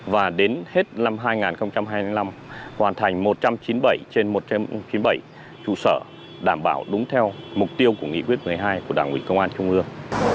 và đến hết năm hai nghìn hai mươi năm hoàn thành một trăm chín mươi bảy trên một trăm chín mươi bảy trụ sở đảm bảo đúng theo mục tiêu của nghị quyết một mươi hai của đảng ủy công an trung ương